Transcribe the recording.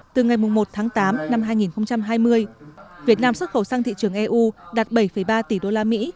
từ ngày một tháng tám năm hai nghìn hai mươi việt nam xuất khẩu sang thị trường eu đạt bảy ba tỷ usd